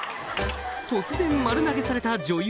突然丸投げされた女優